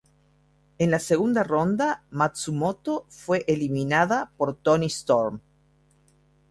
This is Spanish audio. En la segunda ronda, Matsumoto fue eliminada por Toni Storm.